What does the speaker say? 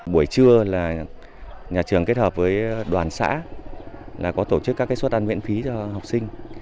buổi trưa là nhà trường kết hợp với đoàn xã là có tổ chức các suất ăn miễn phí cho học sinh